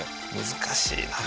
難しいな。